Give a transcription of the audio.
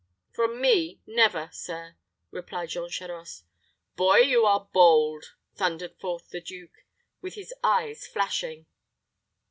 "From me, never, sir," replied Jean Charost. "Boy, you are bold," thundered forth the duke, with his eyes flashing.